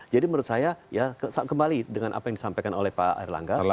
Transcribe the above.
jadi menurut saya ya kembali dengan apa yang disampaikan oleh pak erlangga